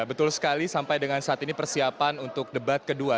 betul sekali sampai dengan saat ini persiapan untuk debat kedua